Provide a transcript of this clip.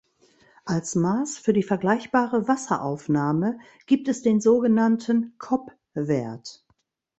Als Maß für die vergleichbare Wasseraufnahme gibt es den sogenannten Cobb-Wert.